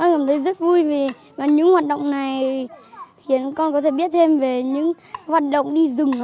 con cảm thấy rất vui vì những hoạt động này khiến con có thể biết thêm về những hoạt động đi rừng